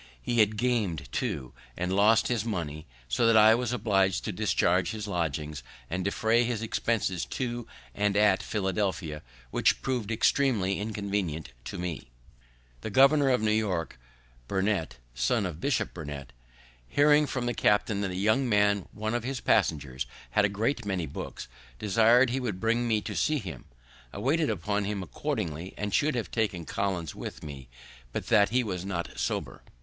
He had gam'd, too, and lost his money, so that I was oblig'd to discharge his lodgings, and defray his expenses to and at Philadelphia, which prov'd extremely inconvenient to me. The then governor of New York, Burnet (son of Bishop Burnet), hearing from the captain that a young man, one of his passengers, had a great many books, desir'd he would bring me to see him. I waited upon him accordingly, and should have taken Collins with me but that he was not sober.